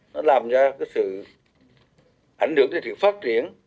nó làm ra sự ảnh hưởng đến sự phát triển